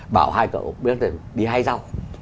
bảo hai cậu biết là đi hai dâu